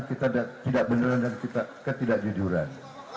ketidakbenaran dan ketidakjujuran